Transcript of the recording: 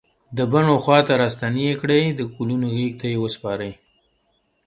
د بڼ و خواته راستنې کړي د ګلونو غیږ ته یې وسپاری